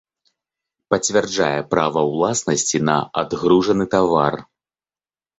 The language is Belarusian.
Пацвярджае права ўласнасці на адгружаны тавар.